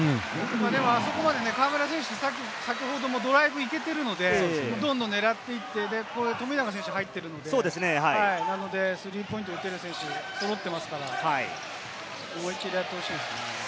あそこまで河村選手、先ほどもドライブがいけているので、富永選手が入っているので、スリーポイントを打てる選手が揃っていますから思い切りやってほしいですね。